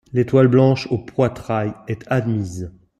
L’étoile blanche au poitrail est admise.